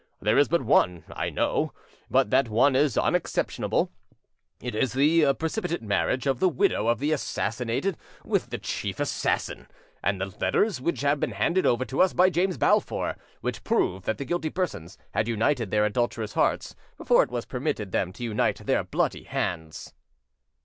"There is but one, I know; but that one is unexceptionable: it is the precipitate marriage of the widow of the assassinated with the chief assassin, and the letters which have been handed over to us by James Balfour, which prove that the guilty persons had united their adulterous hearts before it was permitted them to unite their bloody hands."